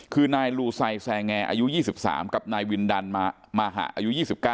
คือนายลูไซแซงแอร์อายุ๒๓กับนายวินดันมาหะอายุ๒๙